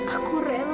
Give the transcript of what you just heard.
aku rela kak mas